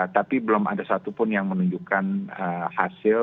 tapi belum ada satupun yang menunjukkan hasil